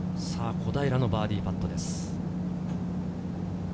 小平のバーディーパットです。